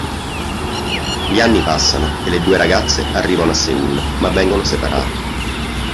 Gli anni passano e le due ragazze arrivano a Seul, ma vengono separate.